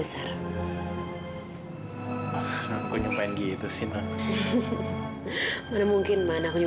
oh ya kok